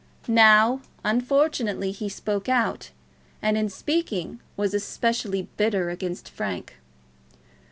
Now unfortunately he spoke out, and in speaking was especially bitter against Frank.